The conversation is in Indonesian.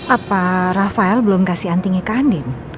apa rafael belum kasih antinya ke andin